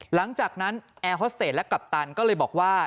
หลังจากนั้นแอร์ฮอสเตจและกัปตันก็เลยบอกว่า